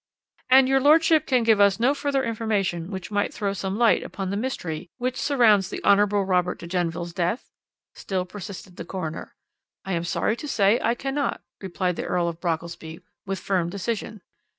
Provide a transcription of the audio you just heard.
"'And your lordship can give us no further information which might throw some light upon the mystery which surrounds the Hon. Robert de Genneville's death?' still persisted the coroner. "'I am sorry to say I cannot,' replied the Earl of Brockelsby with firm decision.